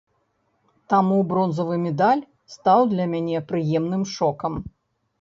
Таму бронзавы медаль стаў для мяне прыемным шокам.